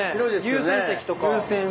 優先席とか。